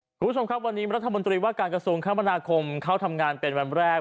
คุณผู้ชมครับวันนี้รัฐมนตรีว่าการกระทรวงคมนาคมเข้าทำงานเป็นวันแรก